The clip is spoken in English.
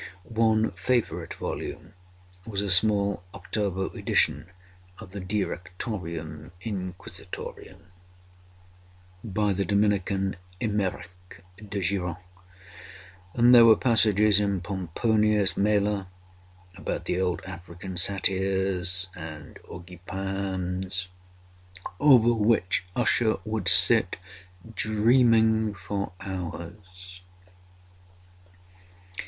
One favorite volume was a small octavo edition of the Directorium Inquisitorium, by the Dominican Eymeric de Gironne; and there were passages in Pomponius Mela, about the old African Satyrs and OEgipans, over which Usher would sit dreaming for hours.